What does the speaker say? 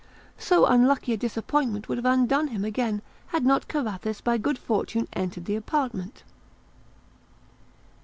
So unlucky a disappointment would have undone him again had not Carathis by good fortune entered the apartment.